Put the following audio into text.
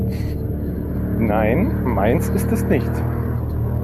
Nein, meins ist es nicht.